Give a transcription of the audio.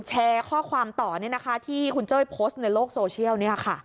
แชร์ข้อความต่อที่คุณเจ้ยโพสต์ในโลกโซเชียล